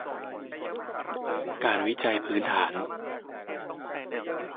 การวิจัยพื้นฐาน